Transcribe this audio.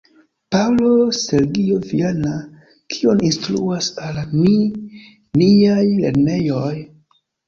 Paŭlo Sergio Viana, "Kion instruas al ni niaj lernejoj?